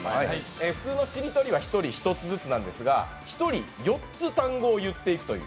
普通のしりとりは１人１つずつなんですが１人４つ単語を言っていくという。